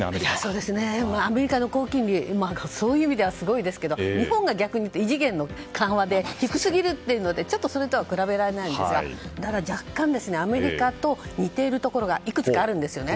そうですね、アメリカの高金利そういう意味ではすごいですが日本では逆に言うと異次元の緩和で低すぎるというのでちょっと、それとは比べられないんですが若干、アメリカと似ているところいくつかあるんですね。